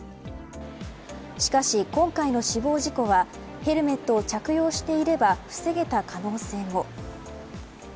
しかし、今回の死亡事故はヘルメットを着用していれば防げた可能性も。